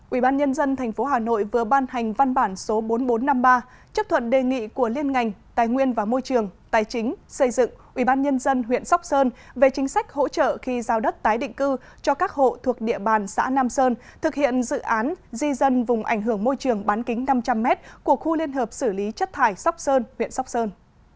ubnd tp hà nội vừa ban hành văn bản số bốn nghìn bốn trăm năm mươi ba chấp thuận đề nghị của liên ngành tài nguyên và môi trường tài chính xây dựng ubnd huyện sóc sơn về chính sách hỗ trợ khi giao đất tái định cư cho các hộ thuộc địa bàn xã nam sơn thực hiện dự án di dân vùng ảnh hưởng môi trường bán kính năm trăm linh m của khu liên hợp xử lý chất thải sóc sơn huyện sóc sơn